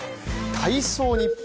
体操日本